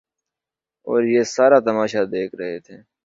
اوریہ سارا تماشہ دیکھ رہے تھے۔